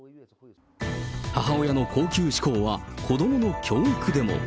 母親の高級志向は、子どもの教育でも。